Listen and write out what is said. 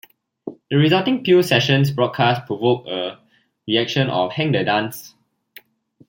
The resulting Peel session's broadcast provoked a reaction of Hang the Dance!